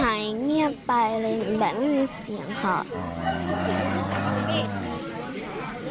หายเงียบไปเลยแบบไม่มีเสียงค่ะอ๋ออ๋ออ๋ออ๋ออ๋ออ๋ออ๋ออ๋ออ๋ออ๋อ